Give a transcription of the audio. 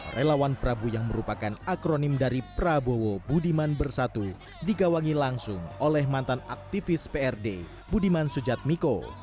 relawan prabu yang merupakan akronim dari prabowo budiman bersatu digawangi langsung oleh mantan aktivis prd budiman sujatmiko